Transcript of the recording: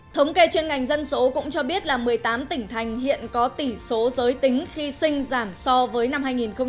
thống kê chuyên ngành dân số cũng cho biết là một mươi tám tỉnh thành hiện có tỷ số giới tính khi sinh giảm so với năm hai nghìn một mươi tám